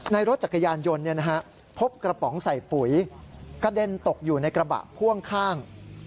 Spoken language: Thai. รถจักรยานยนต์พบกระป๋องใส่ปุ๋ยกระเด็นตกอยู่ในกระบะพ่วงข้าง